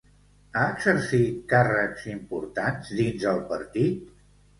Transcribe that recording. Ha exercit càrrecs importants dins el partit?